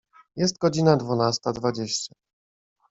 Jest godzina dwunasta dwadzieścia.